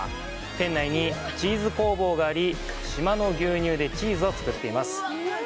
店内にチーズ工房があり、島の牛乳でチーズを作っています。